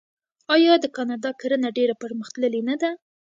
آیا د کاناډا کرنه ډیره پرمختللې نه ده؟